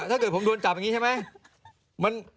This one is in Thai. ถ้าเกิดผมโดนจับอย่างนี้ใช่ไหม